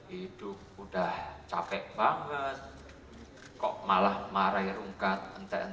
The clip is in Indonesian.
hidup udah capek banget kok malah marah yang rungkat ente entean